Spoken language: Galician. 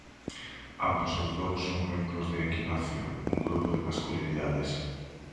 Ambos os dous son membros de Equinoccio, un grupo de masculinidades.